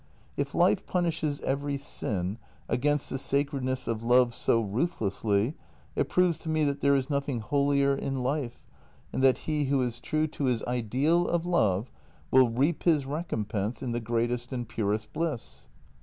If life punishes every sin against the sacredness of love so ruthlessly, it proves to me that there is nothing holier in life, and that he who is true to his JENNY 187 ideal of love will reap his recompense in the greatest and purest bliss.